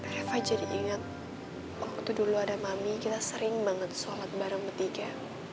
reva jadi ingat waktu dulu ada mami kita sering banget sholat bareng bertiga